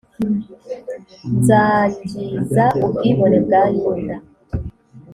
nzangiza ubwibone bwa yuda